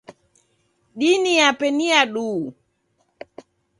Dini yape ni ya duu.